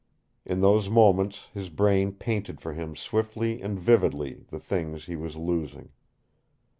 In those moments his brain painted for him swiftly and vividly the things he was losing.